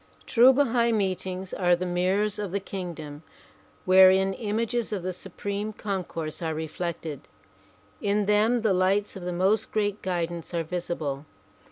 True Bahai meetings are the mirrors of the kingdom wherein images of the Supreme Concourse are reflected. In them the lights of the most great guidance are visible.